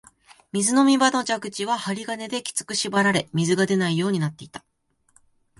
水飲み場の蛇口は針金できつく縛られ、水が出ないようになっていた